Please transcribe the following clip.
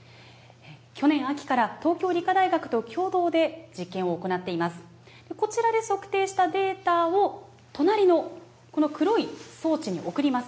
去年秋から東京理科大学と共同で実験を行っています。